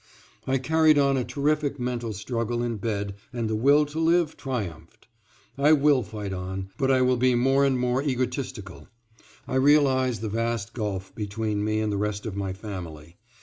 I carried on a terrific mental struggle in bed and the will to live triumphed. I will fight on, but I will be more and more egotistical. I realize the vast gulf between me and the rest of my family.